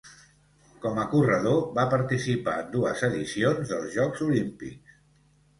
Com a corredor va participar en dues edicions dels Jocs Olímpics.